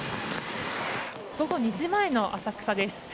午後２時前の浅草です。